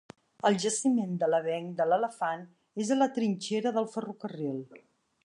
El jaciment de l'avenc de l'Elefant és a la trinxera del ferrocarril.